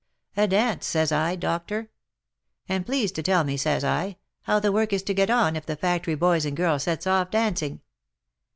A dance! says I, doctor. And please to tell me, says I, how the work is to get on, if the factory boys and girls sets off dancing?"